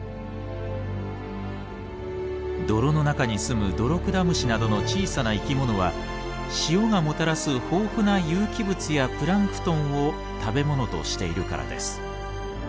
泥の中にすむドロクダムシなどの小さな生き物は潮がもたらす豊富な有機物やプランクトンを食べ物としているからです。